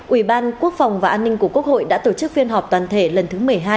ủy ban quốc phòng và an ninh của quốc hội đã tổ chức phiên họp toàn thể lần thứ một mươi hai